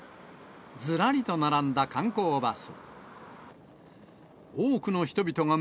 ずらりと並んだ観光バス。